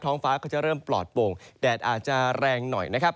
ฟ้าก็จะเริ่มปลอดโป่งแดดอาจจะแรงหน่อยนะครับ